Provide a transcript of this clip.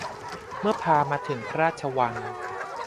เมื่อพามาถึงพระราชวัง